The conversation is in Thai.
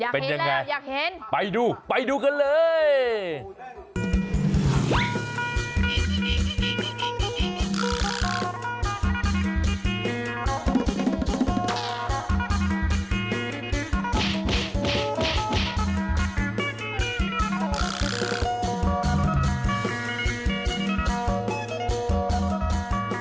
เป็นยังไงไปดูไปดูกันเลยอยากเห็นอยากเห็น